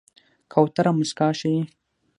کوتره موسکا ښيي.